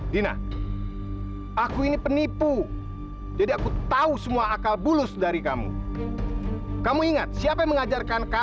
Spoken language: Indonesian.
sampai jumpa di video selanjutnya